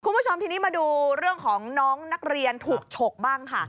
คุณผู้ชมทีนี้มาดูเรื่องของน้องนักเรียนถูกฉกบ้างค่ะ